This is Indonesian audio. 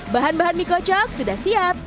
bahan bahan mie kocok sudah siap